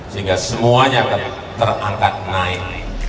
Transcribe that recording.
sehingga semuanya terangkat naik